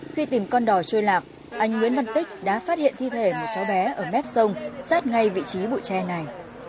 khi tìm con đò trôi lạp anh nguyễn văn tích đã phát hiện thi thể một cháu bé ở mép sông sát ngay vị trí bụi tre này